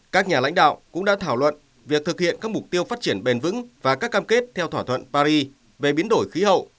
các nhà lãnh đạo cũng đã thảo luận việc thực hiện các mục tiêu phát triển bền vững và các cam kết theo thỏa thuận paris về biến đổi khí hậu